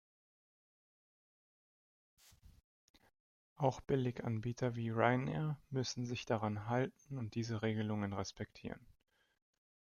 Auch Billiganbieter wie Ryanair müssen sich daran halten und diese Regelung respektieren.